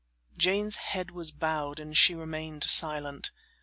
Jane's head was bowed and she remained silent.